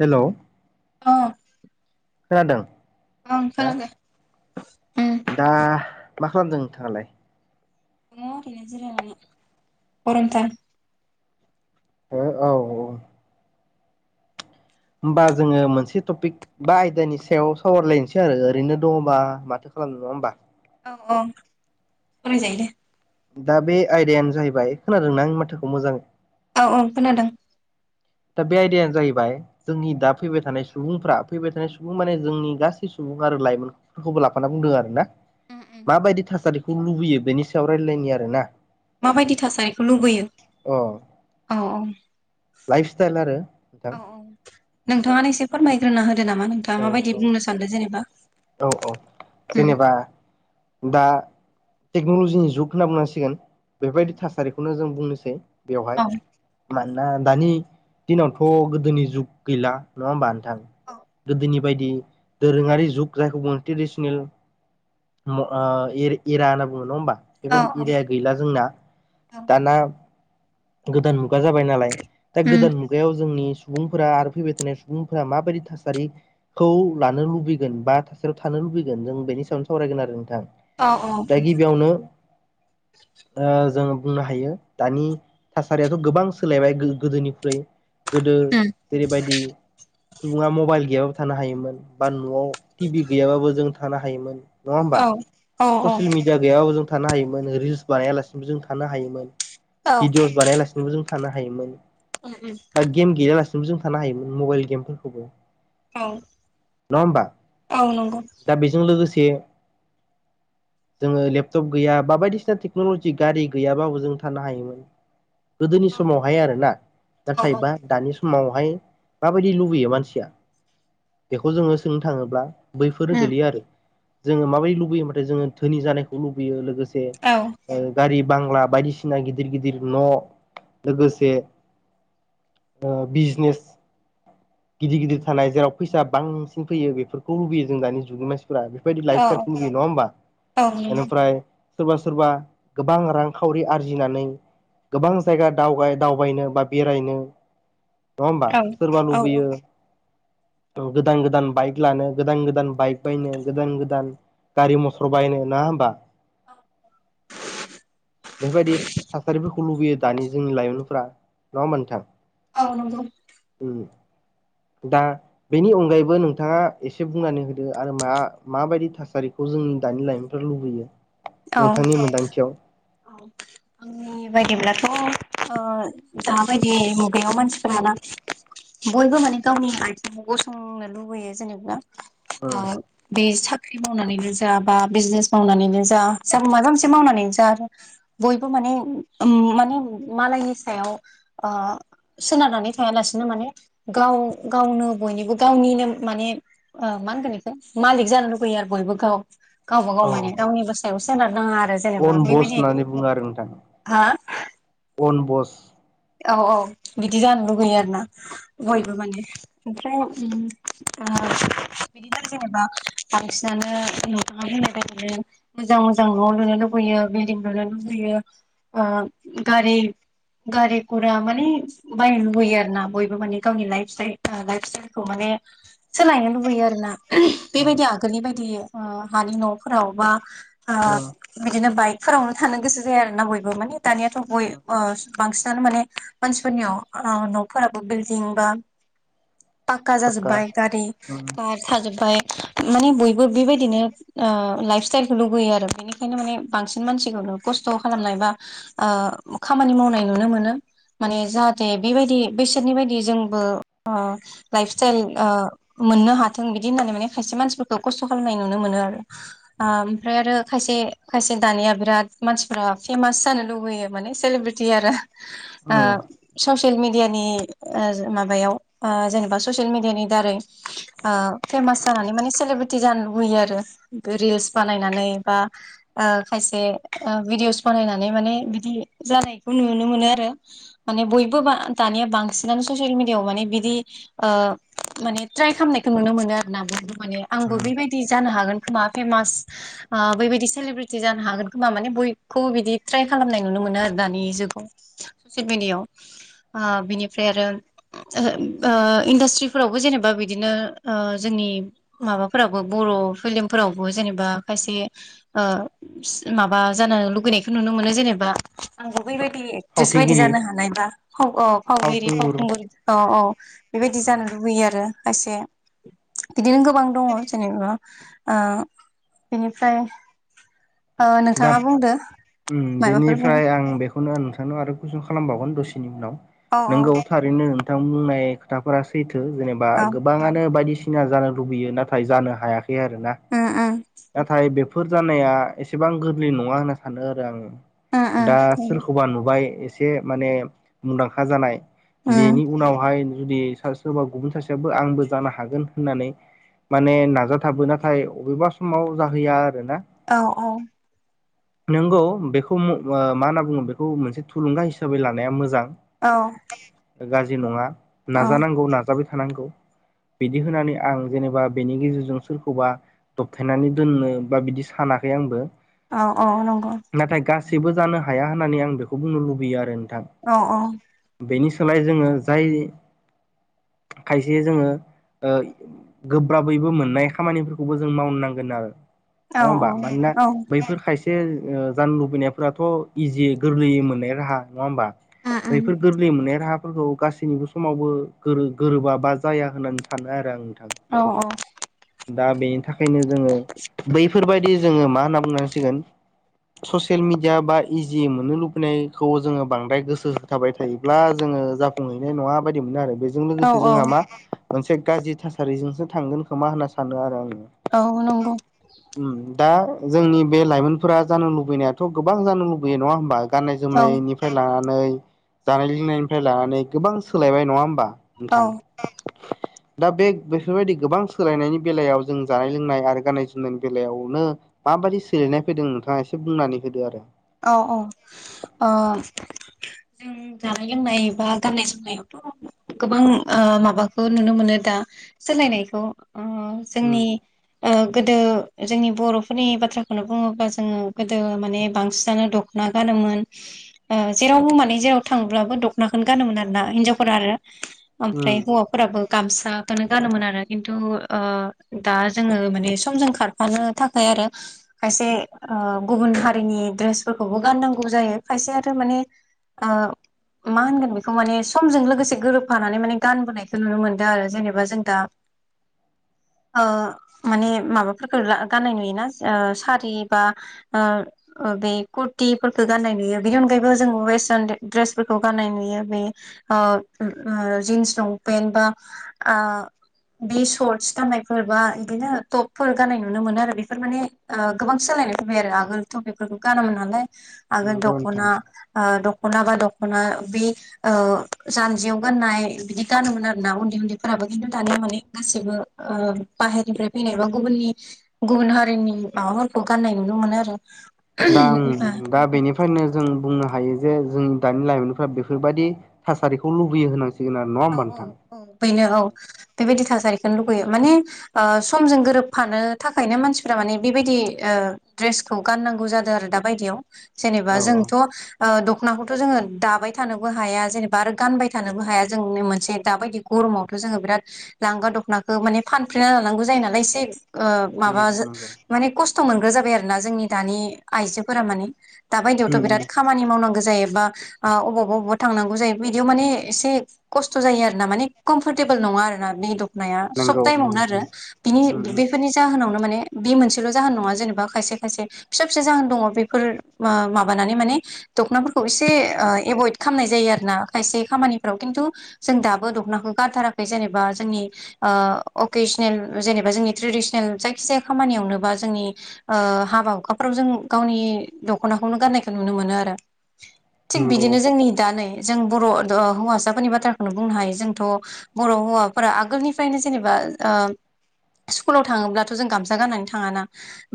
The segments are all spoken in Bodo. हेल' औ खोनादों औ हा खोनादों उम दङ दा मा खालामदों नोंथाङालाय दङ ओरैनो जिरायनानै गरमथार हो औ औ होमबा जोङो मोनसे टपिक बा आयदानि सायाव सावरायलायनोसै आरो ओरैनो दङबा माथो खालाम नङा होमबा औ औ फराय जायो दे दा बे आयदायानो जाहैबाय खोनादोंना आंनि माथाखौ मोजाङै औ औ खोनादों। दा बे आयदायानो जाहैबाय जोंनि दा फैबाय थानाय सुबुंफ्रा फैबाय थानाय सुबुं माने जोंनि गासै सु बुं आरो लाइमोनफोरखौबो लाफाना बुंदों आरो ना माबायदि थासारिखौ लुबैयो बेनि सायाव रायज्लायनि आरो ना माबायदि थासारिखौ लुबैयो अ औ औ लाइफ स्टाइल आरो नोंथां नोंथाङा एसे फोरमायग्रोनो हो दो नामा नोंथाङा औ माबायदि औ बुंनो सानदों जेनेबा औ औ ओम जेनेबा दा टेक्नलजिनि जुग होनना बुंनांसिगोन बेबायदि थासारिखौनो जों बुंनोसै औ बेवहाय मानोना दानि दिनावथ गोदोनि जुग गैला नङा होमबा गोदोनि बायदि दोरोङारि जुग जायखौ बुङो ट्रेडिसनेल ओ ए-एरा होनना बुङो नङा होमबा औ बेबायदि एरिया गैला जोंना औ दाना गोदान मु गा जाबाय नालाय दा गोदान मुगायाव जोंनि सुबुंफोरा आरो फैबाय थानाय सुबुंफोरा माबायदि थासारि खौ लानो लुबैगोन बा थासारियाव थानो लुबैगोन जों बेनि सायावनो सावरायगोन आरो नोंथां। दा गिबियावनो ओ जों बुंनो हायो दानि थासारियाथ गोबां सोलायबाय गो-गोदोनिख्रुइ गोदो जेरैबायदि सुबुङा मबाइल गैयाबाबो थानो हायोमोन बा न'आव टि भि गैयाबाबो जों थानो हायोमोन नङा होमबा ससियेल मिडिया गैयाबाबो जों थानो हायोमोन रिल्स बानायालासेबो जों थानो हायोमोन औ भिडिअ बानायालासेबो जों थानो हायोमोन बा गेम गैयालासिनोबो जों थानो हायोमोन मबाइल गेमफोरखौबो औ नङा होमबा औ नंगौ दा बेजों लोगोसे [inaudible] जोङो लेपटप गैया बा बायदिसिना टेक्न'लजि गारि गैयाबाबो जों थानो हायोमोन गोदोनि औ समावहाय आरोना औ नाथायबा दानि स मावहाय माबायदि लुबैयो मानसिया बेखौ जोङो सोंनो थाङोब्ला बैफोरनो गोलैया आरो जोङो माबायदि लुबैयो माथाय जोङो धोनि जानायखौ लुबैयो लोगो से ओ गारि बांला बायदिसिना गिदिर गिदिर न' लोगोसे ओ बिजनेस गिदिर गिदिर थानाय जेराव फैसा बांसिन फैयो बेफोरखौ लुबैयो जों दानि जुगनि मानसि फ्रा बेफोरबायदि औ लाइफ स्टाइलखौ नङा हबा औ नंगौ बेनिफ्राय सोरबा सोरबा गोबां रांखावरि आरजिनानै गोबां जायगा दाव दावबायनो बा बेरायनो नङा होमबा औ सोरबा औ लुबैयो औ गोदान गोदान बाइक लानो गोदान गोदान बाइक बायनो गोदान गोदान गारि मथर बायनो नङा होमबा बेबायदि थासारिफोरखौ लुबैयो दानि जोंनि लाइमोनफोरा नङा होमबा नोंथां आनबो [inaudible] दा बेनि अनगायैबो नोंथाङा एसे बुंनानै होदो आरो मा माबायदि थासारिखौ जों जोंनि दानि लाइमोनफ लुबैयो औ नोंथांनि मोन्दांथियाव औ आंनि बायदिब्लाथ' दाबायदि मुगायाव मानसिफोराना [inaudible] बयबो माने गावनि आथिङाव गसंनो लुबैयो जेनेबा बे स साख्रि मावनानैनो जा बा बिजनेस मावनानैनो जा ज माबा मोनसे मावनानैनो जा बयबो माने माने मालायनि सायाव सोनारनानै थायालासिनो माने गाव गावनो बयनिबो गावनिनो माने मा होनगोन बेखौ मालिक जानो लुुबैयो आरो बयबो गाव गावबा अ गाव माने रावनि ब सायाव सोनार नाङा आरो अन जेनेबा बस बेबायदि होननानै बुङो आरो नोंथां हा अन बस औ औ बिदि जानो लुगैयो आरो ना बयबो माने ओमफ्राय बिदिनो जेनेबा बांसिनानो न मोजां मोजां न'आव लुनो लुबैयो बिल्डिं लुनो लुबैयो आ गारि गारि गुरा माने बायनो लुुबैयो आरो ना बयबो माने गावनि लाइफ सिताल लाइफ स्टाइलखौ माने सोलायनो लुबैयो आरोना बेबायदि आगोलनि बायदि हानि न'फोराव बा बिदिनो बाइकफोरावनो थानो गोसो जायो आर ना बयबो माने दानियाथ' गय बांसिनानो माने मानसिफोरनियाव न'फोराबो बिल्दििं बा पाक्का साखा जाजोब्बाय गारि कार थाजोबबाय माने बयबो बेबायदिनो लाइफ स्टाइलखौ लुगैयो आरो बेनिखायनो माने बांसिन मानसिखौ खस्थ' खालामनाय बा खामानि मावनाय नुनो मोनो माने जाहाथे बेबायदि बेसोरनि बायदि जोंबो लाइफ सटाइल मोननो हाथों बिदि होननानै माने खायसे मानसिफोरखौ खस्थ' खालामनाय नुनो मोनो आरो ओमफ्राय आरो खायसे खायसे खायसे दानिया बिराद मानसिफ्रा फेमास जानो लुुबैयो माने सलिब्रिेटि आरो ससियेल मिेडियानि माबायाव जेनेबा ससियेल मिेडियानि दारै फेमास जानानै माने सेलेब्रिेटि जानो लुबैयो आरो रिल्स बानायनानै बा खायसे भिदिअस बानायनानै माने बिदि जानायखौ नुनो मोनो आरो माने बयबो दानिया बांसिनानो ससियेल मिडियाआव माने बिदि माने ट्राइ खालामनायखौ नुनो मोनो आरोोना बे माने आंबो बेबायदि जानो हागोन खोमा फेमास बेबायदि सलिब्रिेटि जानो हागोन खोमा माने बयखौबो बिदि ट्राय खालामनाय नुनो मोनो आरो दानि जुगाव ससियेल मिेडियाआव बिनिफ्राय आरो इन्डास्ट्रिफोरावबो जेनेबा बिदिनो जोंनि माबाफोराबो बर' फिल्मफोरावबो जेनेबा खायसे माबा जानो लुुबैनायखौ नुनो मोनो जेनेबा आंखौ बेबायदि एक्ट्रिस बायदि फावथेंगिरि जानो हानाय बा औ फावगिरि फावखुंगुर औ औ बेबायदि जानो लुबैयो आरो खायसे बिदिनो गोबां दङ जेनेबा बेनिफ्राय दा नोंथाङा बुंदो माबाफोर बुं नों नोंथांनाव आरो कुइसन खालामबावगोन दसेनि उनाव औ औ नोंगौ थारैनो बिथां बुंनाय खोथाफोरा सैथो जेनेबा औ गोबाङानो बायदिसिना बायदिसिना जानो लुबैयो नाथाय जानो हायाखै आरो ना उम उम नाथाय बेफोर जानाया एसेबां गोरलै नङा होनना सानो आरो आङो उम दा उम सोरखौबा नुबाय एसे माने मुंदांखा जानाय उम बेनि उनावहाय जुदि सोरबा गुबुन सासेयाबो आंबो जानो हागोन होननानै माने नाजाथाबो नाथाय अबेबा समाव जाहैया औ औ नोंंगौ बेखौ मा होनना बुङो बेखौ मोनसे थुलुंगा हिसाबै लानाया मोजां औ। गाज्रि नङा औ नाजानांगौ नाजाबाय थांनांगौ बिदि होनानै आं जेनेबा बेनि गेजेरजों सोरखौबा दबथायनानै दोननो बा बिदि सानाखै आंबो औ औ नंगौ। गासिबो जानो हाया होननानै आं बेखौ बुंनो लुबैयो आरो नोंथां औ बेनि सोलाय जोङो जाय खायसे जोङो गोब्राबैबो मोननाय खामानिफोरखौबो जों मावनो नांगोन आरो औ नङाहोमबा मानोना औ बैफोर खायसे खायसे जानो लुबैनायफोराथ' इजि गोरलैयै मोननाय राहा नङा होमबा? उम उम बैफोर गोरलै मोननाय राहा फोरखौ गासैनिबो समावबो गोरोबा बा जाया होननानै सानो आरो आं। नोंथां औ औ। दा बेनि थाखायनो जोङो बैफोरबायदि जोङो मा होनना बुंनांसिगोन ससियेल मिडिया बा इजि मोननो लुबैनायखौ जोङो बांद्राय गोसो होथाबाय थायोब्ला जों जाफुंहैनाय नङा बायदि मोनो आरो बे बेजों औ लोगोसे जोंहा मा मोनसे गाज्रि थासारिजोंसो थांगोन खोमा होनना सानो आरो आङो औ नंगौ उम दा जोंनि बे लाइमोनफोरा जानो लुबैनायाथ' गोबां जानो लुबैयो नङा होमबा? गाननाय औ जोमनायनिफ्राय लानानै जानाय लोंनायनिफ्राय लानानै गोबां सोलायबाय नङा होमबा? औ नोंथां दा बे बेफोरबायदि गोबां सोलायनायनि बेलायाव जों जानाय लोंनाय आरो गाननाय जोमनायनि बेलायावनो माबायदि सोलायनाय फैदों नोंथाङा एसे बुंनानै होदो आरो। औ औ ओ जों जानाय लोंनाय बा गाननाय जोमनायाव गोबां माबाखौ नुनो मोनो दा सोलायनायखौ उम जोंनि ओ गोदो जोंनि बर'फोरनि बाथ्राखौनो बुङोब्ला जोङो गोदो माने बांसिन जानो दख'ना गानोमोन जेरावबो माने जेराव थांब्लाबो दख'नाखौनो गानोमोन आरो ना हिनजावफोरा आरो ओमफ्राय उम हौवाफोराबो गामसाखौनो गानोमोन आरो खिन्थु दा जोङो माने समजों खारफानो थाखाय खायसे गुबुन हारिनि द्रेस द्रेसफोरखौबो गाननांगौ जायो खायसे आरो माने मा होनगोन बेखौ माने समजों लोगोसे गोरोबफानानै माने गानबोनायखौ नुनो मोनदों आरो जेनेबा जों दा [inaudible] माने माबाफोरखौ गाननाय नुयोना सारि बा बे कुरटिफोरखौ गाननाय नुयो बेनि अनगायैबो जों वेस्टार्न ड्रेसफोरखौ गाननाय नुयो बे जिन्स लंपेन बा आ बे सर्टस गाननायफोर बा बिदिनो टपफोर गाननाय नुनो मोनो आरो बेफोर माने गोबां सो लायनायखौ बेफोरखौ गानोमोन नालाय आगोल नंगौ नोंथां दख'ना दखना बा दख'ना बे जानजियाव गाननाय बिदि गानोमोन आरो ना उन्दै उन्दै फोराबो खिन्थु दानिया माने गाससिबो बाहेरनिफ्राय फैनाय बा गुबुननि गुबुन हारिनि माबाफोरखौ गाननाय नुनो मोनो आरो। दा ओ दा बेनिफ्रायनो जों बुंनो हायो जे जोंनि दानि लाइमोनफोरा बेफोरबायदि थासारिखौ लुबैयो होनां औ औ औ बेनो औ। बेबायदि थासारिखौनो लुुबैयो माने समजों गोरोबफानो थाखायनो मानसिफ माने बेबायदि द्रेसखौ गाननांगौ जादों आरो दा बाययाव जेनेबा औ जोंथ दखनाखौथ' जोङो दाबाय थानोबो हाया जेनेबा आरो गानबाय थानोबो हाया। जोंनो मोनसे दाबायदि गरमावथ' जोङो बिराद लांगा दख'नाखौ माने फानफ्लेना लानांगौ जायो नालाय एसे माबा औ नंगौ माने खस्थ' मोनग्रा जाबाय आरो ना जोंनि दानि आइजोफोरा माने दााबायदियावथ' उम बिराद उम खामानि मावनांगौ जायोबा अबावबा अबेावबा थांनांगौ जायो, बिदियाव माने एसे खस्थ' जायो आर ना माने कमफरटेबोल नङा आरो ना बे द खनाया सब नंगौ उम टाइमावनो उम। आरो बिनि उम बेफोरनि जाहोनावनो माने बे मोनसेल' जाहोन नङा जेनेबा खायसे खायसे फिसा फिसा जाहोन दङ बेफोर मा-माबानानै माने दख'ना फोर खौ इसे एभयद खामनाय जायो आरो ना खायसे खामानिफ्राव खिन्थु जों दाबो दखनाखौ गारथाराखै जेनेबा जोंनि अकेसनेल जेनेबा जोंनि ट ट्रेदिसनेल जायखि जाया खामानियावनोबा जोंनि हाबा हुखाफ्राव जों गावनि दखनाखौनो गानायखौ नुनो मोनो आरो थिग नंगौ बिदिनो जोंनि दा नै जों बर' हौवसाफोरनि बा थ्राखौनो बुंनो हायो जोंथ' बर' हौवाफोरा आगोलनिफ्रायनो जेनेबा ओ स्कुलाव थाङोब्लाथ' जों गामसा गाननानै थाङाना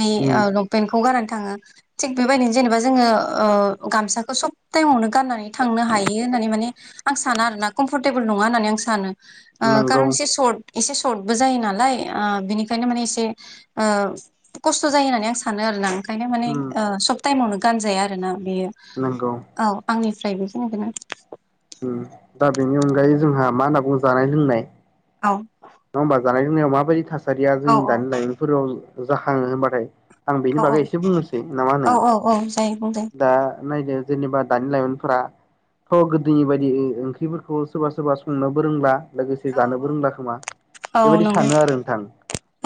बे उम लंपेन्टखौ गान थांङो थिग बेबायदिनो जेनेबा जोंङो गामसाखौ सब टाइमावनो गाननानै थांनो हायो होननानै माने आं साना आरो ना कमफरटेबोल नङा होननानै आं सानो। ओ नंगौ कारन एसे सर्ट एसे सर्टबो जायो नालाय बिनिखायनो माने एसे खस्थ' जायो होननानै आं सानो आरोना। ओंखायनो माने उम सब टाइमावनो गानजाया आरोना बेयो नंगौ औ आंनि फ्राय बेखिनिखौ दा बेनि अनगायै जोंहा मा होनना बुङो जानाय लोंनाय औ होमबा जानाय लोंनायाव माबायदि थासारिया औ जोंनि औ दानि लाइमोनफोराव जाखांङो होनबाथाय आं बेनि औ बागै एसे बुंनोसै नामा औ होनो औ औ जायो बुं दे दा नायदो जेनेबा दानि लाइमोनफोरा थ गोदोनि बायदि ओंख्रिफोरखौ सोरबा सोरबा संनोबो रोंला लोगोसे औ जानोबो औ रोंला खोमा औ बेबायदि नंगौ सानो आरो नोंथां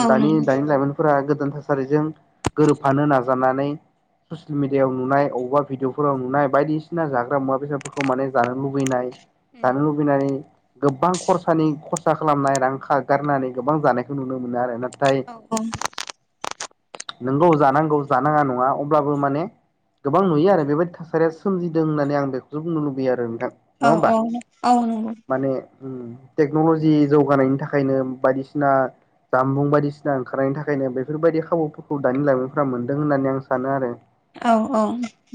औ दानि नंगौ दानि लाइमोन फोरा गोदान थासारिजों गोरोबफानो नाजानानै ससियेल मिडियायाव नुनाय अबेबा भिडिअफोराव नुनाय बायदिसिना जाग्रा मुवा बेसादफोरखौ माने जानो लुुबैनाय औ जानो लुबैनानै गोबां खरसानि खरसा खालामनाय रां गारनानै गोबां जानायखौ नुनो मोनो आरोना। औ नोंगौ जानांगौ जानाङा नङा अब्लाबो माने गोबां नुयो आरो बेबायदि थासारिया सोमजिदों होननानै आं बेखौसो बुंनो लुबैयो आरो नोंथां औ नंङा होमबा औ नंगौ माने अम टेक्नलजि जौगानायनि थाखायनो बायदिसिना जामबुं बायदिसिना ओंखारनायनि थाखायनो बेफोरबायदि खाबुफोरखौ दानि लाइमोनफोरा मोनदों होननानै आं सानो आरो। औ औ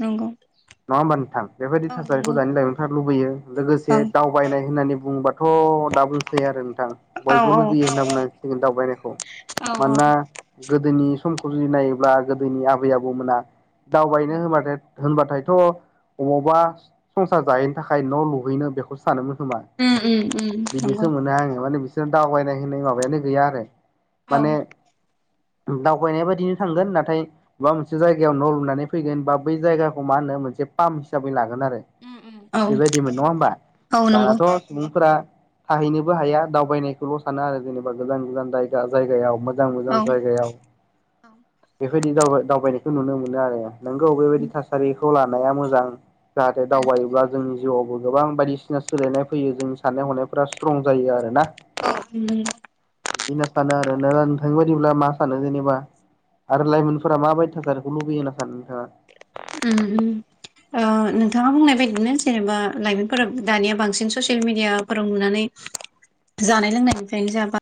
नंगौ होमबा नोंथां बेबायदि औ नंगौ औ थासारिखौ दानि लाइमोनफोरा लुबैयो लोगोसे दावबायनाय होननानै बुंङोबाथ' आरो नोंथां औ औ बयबो लुुबैयो होनना बुंनागोन दावबायनायखौ औ औ मानोना गोदोनि समखौ जुदि नायोब्ला गोदोनि आबै आबौमोना दावबायनो होनबाथाय होनबाथायथ' अबावबा संसार जाहैनो थाखाय न' लुहैनो बेखौ सानोमोनखोमा उम उम उम बिदि नंगौ माने बिसोरनो दावबायनाय होननाय माबायानो गैया आरो औ माने दावबायनाय बायदिनो थांगोन नाथाय माबा मोनसे जायगायाव न' लुनानै फैगोन बा बै जायगाखौ मा होनो मोनसे पाम्प हिसाबै लागोन आरो उम उम औ बेबायदिमोन नंङा होमबा औ नंगौ औ दानाथ' सुबुंफोरा थाहैनोबो हाया दावबायनायखौल' सानो आरो जेनेबा गोजान गोजान जायगा जायगायाव मोजां औ मोजां नंगौ जायगायाव बेबायदिाव दावबायनायखौ नुनो मोनो आरो। नोंगौ बेबायदि थासारिखौ लानाया मोजां जाहाथे दावबायोब्ला जोंनि जिउआवबो गोबां बायदिसिना सोलायनाय फैयो जोंनि साननाय हनायफोरा स्थरं जायो आरो ना। औ अम अम बिदि होनना सानो आरोना नोंथां बादिब्ला मा सानो जेनेबा आरो लाइमोनफोरा माबायदि थासार बेखौ लुुबैयो होना सानो नोंथांङा अम अम ओ नोंथांङा बुंनाय बादिनो जेनेबा लाइमोनफोरा दानिया बांसिन ससियेल मिडियाफोराव नुनानै [inaudible] जानाय लोंनायनिफ्रायनो जा